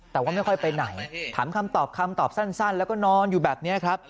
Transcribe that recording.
แต่ว่าไม่ค่อยไปไหนถามคำตอบคำตอบสั้นแล้วก็นอนอยู่แบบนี้ครับ